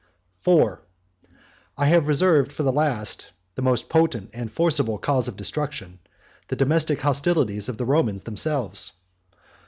] IV. I have reserved for the last, the most potent and forcible cause of destruction, the domestic hostilities of the Romans themselves.